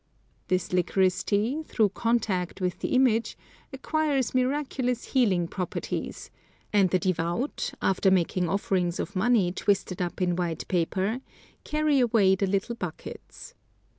This licorice tea, through contact with the image, acquires miraculous healing properties, and the devout, after making offerings of money twisted up in white paper, carry away the little buckets.